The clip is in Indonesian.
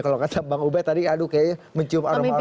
kalau kata bang ube tadi aduh kayaknya mencium aroma aroma juga tuh